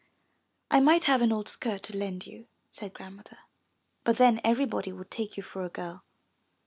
I might have an old skirt to lend you," said Grandmother, but then everybody would take you for a girl."